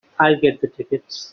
I'll get the tickets.